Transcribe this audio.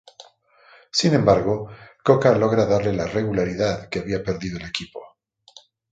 Sin embargo, Cocca logra darle la regularidad que había perdido el equipo.